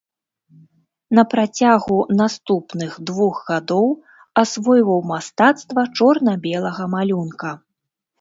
На працягу наступных двух гадоў асвойваў мастацтва чорна-белага малюнка.